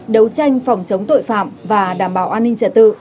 đấu tranh phòng chống tội phạm và đảm bảo an ninh trật tự